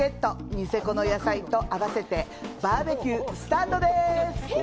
ニセコの野菜と合わせてＢＢＱスタートです！